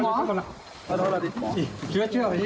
ยกไม้นี่ก็ได้